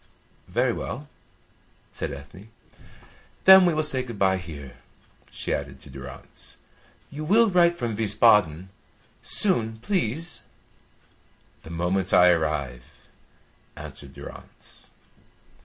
"Very well," said Ethne. "Then we will say good bye here," she added to Durrance. "You will write from Wiesbaden? Soon, please!" "The moment I arrive," answered Durrance.